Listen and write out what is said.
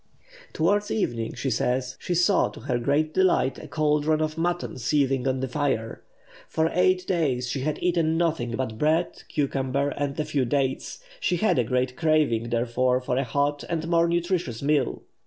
Towards evening, she says, she saw, to her great delight, a caldron of mutton seething on the fire. For eight days she had eaten nothing but bread, cucumber, and a few dates; she had a great craving, therefore, for a hot and more nutritious meal.